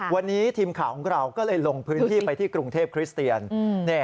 วันนี้ทีมข่าวของเราก็เลยลงพื้นที่ไปที่กรุงเทพคริสเตียน